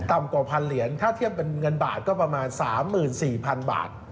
กว่า๑๐๐เหรียญถ้าเทียบเป็นเงินบาทก็ประมาณ๓๔๐๐๐บาท